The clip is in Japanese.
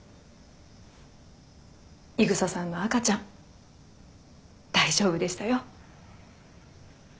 井草さんの赤ちゃん大丈夫でしたよ。